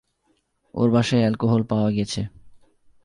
ওর বাসায় অ্যালকোহল পাওয়া গেছে।